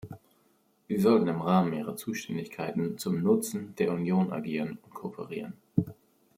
Sie sollten im Rahmen ihrer Zuständigkeiten zum Nutzen der Union agieren und kooperieren.